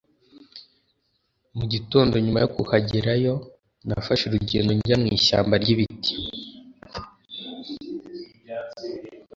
mu gitondo nyuma yo kuhagerayo, nafashe urugendo njya mu ishyamba ry'ibiti